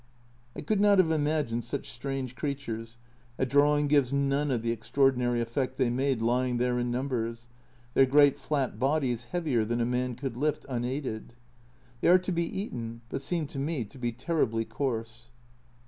I could not have imagined such strange creatures, 52 A Journal from Japan a drawing gives none of the extraordinary effect they made lying there in numbers, their great flat bodies heavier than a man could lift unaided. They are to be eaten, but seem to me to be terribly coarse.